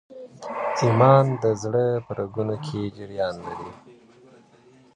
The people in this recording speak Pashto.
ایمان د زړه په رګونو کي جریان لري.